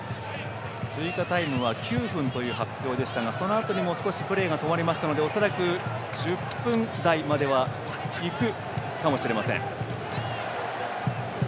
追加タイムは９分という発表でしたがそのあとにも少しプレーが止まりましたので恐らく１０分台までいくかもしれません。